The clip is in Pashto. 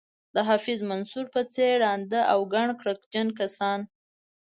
د حفیظ منصور په څېر ړانده او کڼ کرکجن کسان.